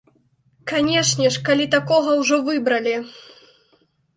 Канешне ж, калі такога ўжо выбралі.